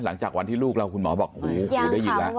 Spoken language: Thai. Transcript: หลังจากวันที่ลูกเราคุณหมอบอกโอ้ยขอได้ยินนะ